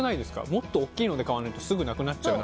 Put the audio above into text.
もっと大きいので買わないとすぐなくなっちゃう。